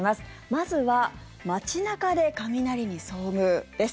まずは街中で雷に遭遇です。